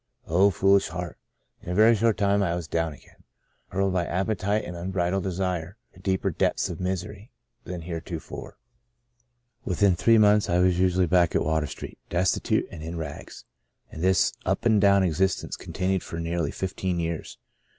Oh, foolish heart 1 In a very short time I was down again — hurled by appetite and un bridled desire to deeper depths of misery than heretofore. " Within three months I was usually back at Water Street, destitute, and in rags. And this up and down existence continued for nearly fifteen years.